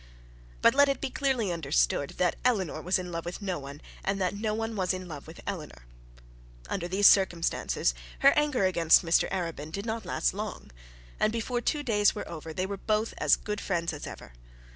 But let it be clearly understood that Eleanor was in love with no one, and that no one was in love with Eleanor. Under these circumstances her anger against Mr Arabin did not last long, and before two days were over they were both as good friends as ever.